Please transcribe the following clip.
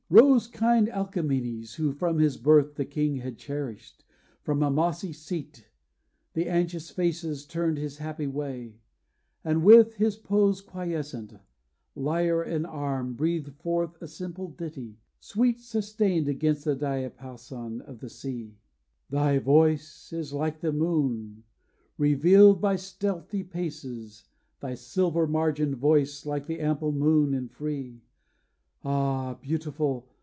Rose kind Alcamenes, who from his birth The king had cherished, from a mossy seat, The anxious faces turned his happy way; And with his pose quiescent, lyre in arm, Breathed forth a simple ditty, sweet sustained Against the diapason of the sea. 'Thy voice is like the moon, revealed by stealthy paces, Thy silver margined voice like the ample moon and free: Ah, beautiful!